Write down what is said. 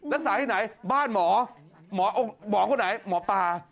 รักษาที่ไหนบ้านหมอหมอคนไหนหมอปลา